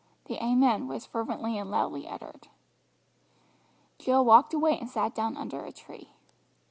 The "Amen" was fervently and loudly uttered. Jill walked away and sat down under a tree.